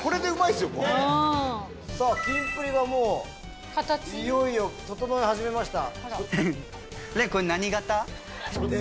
さぁキンプリがもういよいよ整え始めました。